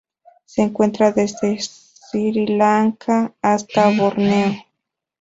Se encuentra desde Sri Lanka hasta Borneo.